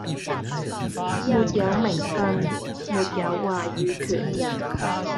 沒有名份，沒有話語權